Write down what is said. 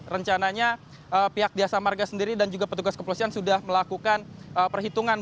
rencananya pihak jasa marga sendiri dan juga petugas kepolisian sudah melakukan perhitungan